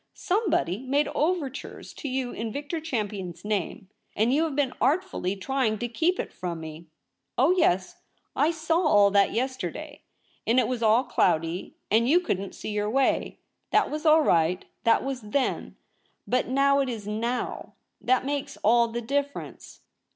Somebody made overtures to you in Victor Champion's name, and you have been artfully trying to keep it from me. Oh yes, I saw all that yesterday ; and it was all cloudy, and you couldn't see your way. That was all right. That was Then ; but now it is Now. That makes all the difference.'